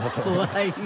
怖い。